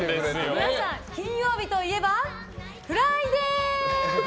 皆さん、金曜日といえばフライデー！